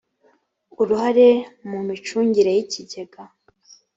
uruhare mu micungire y ikigega